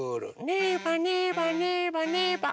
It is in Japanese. ねばねばねばねば。